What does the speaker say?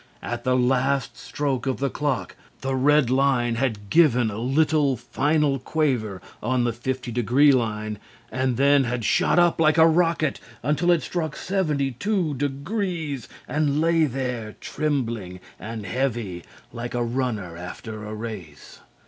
At the last stroke of the clock the red line had given a little, final quaver on the 50 degree line and then had shot up like a rocket until it struck 72 degrees and lay there trembling and heaving like a runner after a race.